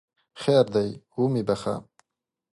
خیر دی ومې بخښه!